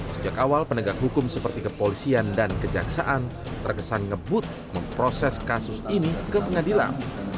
sejak awal penegak hukum seperti kepolisian dan kejaksaan terkesan ngebut memproses kasus ini ke pengadilan